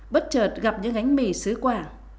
bất chợt gặp những gánh mì xứ quả